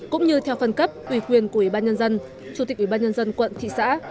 cũng như theo phân cấp ủy quyền của ủy ban nhân dân chủ tịch ủy ban nhân dân quận thị xã